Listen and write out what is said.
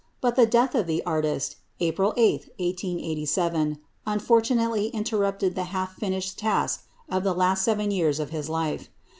But the death of the artist, April 8, 1887, unfortunately interrupted the half finished task of the last seven years of his life.